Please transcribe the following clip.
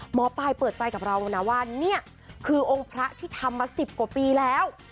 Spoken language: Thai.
หมอปลายเปิดใจกับเรานะว่านี่คือองค์พระที่ทำมา๑๐กว่าปีแล้ว